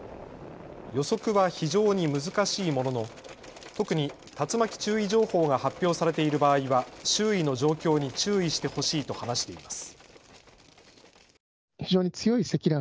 予測は非常に難しいものの特に竜巻注意情報が発表されている場合は周囲の状況に注意してほしいと話しています。